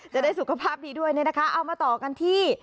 จะได้สุขภาพดีด้วยเอามาต่อกันที่